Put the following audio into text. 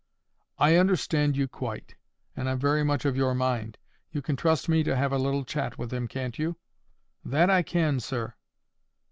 "I understand you quite, and I'm very much of your mind. You can trust me to have a little chat with him, can't you?" "That I can, sir."